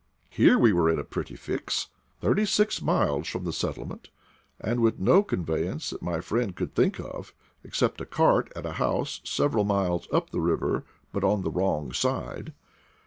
Here we were in a pretty fix ! Thirty six miles from the settlement, and with no conveyance that my friend could think of except a cart at a house several miles up the river, but on the wrong side!